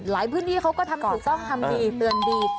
พื้นที่เขาก็ทำถูกต้องทำดีเตือนดี